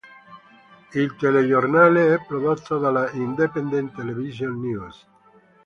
Il telegiornale è prodotto dalla "Independent Television News".